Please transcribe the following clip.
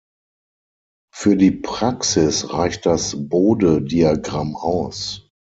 Für die Praxis reicht das Bodediagramm aus.